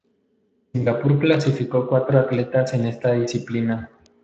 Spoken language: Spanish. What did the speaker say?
Singapur clasificó cuatro atletas en esta disciplina.